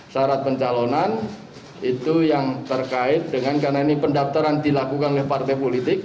syarat pencalonan itu yang terkait dengan karena ini pendaftaran dilakukan oleh partai politik